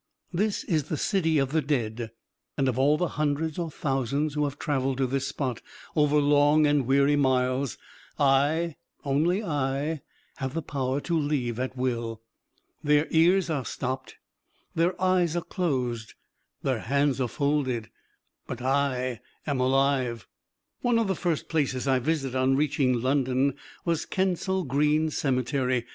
This is the city of the dead, and of all the hundreds or thousands who have traveled to this spot over long and weary miles, I, only I, have the power to leave at will. Their ears are stopped, their eyes are closed, their hands are folded but I am alive. One of the first places I visited on reaching London was Kensal Green Cemetery.